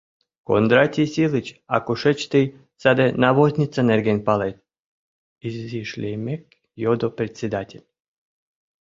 — Кондратий Силыч, а кушеч тый саде навозница нерген палет? — изиш лиймек йодо председатель.